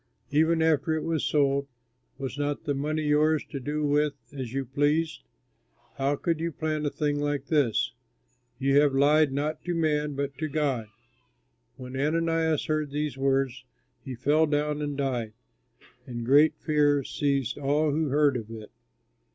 Even after it was sold, was not the money yours to do with as you pleased? How could you plan a thing like this? You have lied not to man but to God." When Ananias heard these words, he fell down and died; and great fear seized all who heard of it.